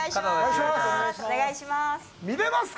お願いします！